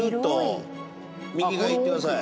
右側行ってください。